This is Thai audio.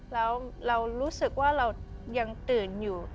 แล้วเรารู้สึกว่าเรายังตื่นอยู่